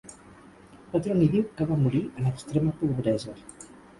Petroni diu que va morir en extrema pobresa.